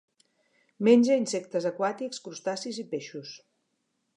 Menja insectes aquàtics, crustacis i peixos.